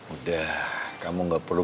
udah kamu gak perlu